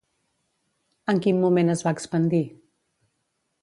En quin moment es va expandir?